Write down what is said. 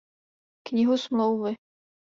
Knihu smlouvy.